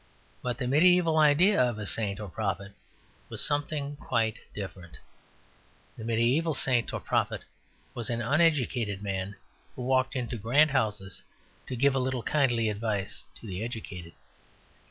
But the medieval idea of a saint or prophet was something quite different. The mediaeval saint or prophet was an uneducated man who walked into grand houses to give a little kindly advice to the educated.